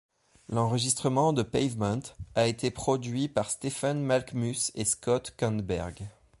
L'enregistrement de Pavement a été produit par Stephen Malkmus et Scott Kannberg.